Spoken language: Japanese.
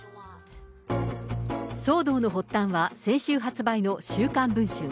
騒動の発端は先週発売の週刊文春。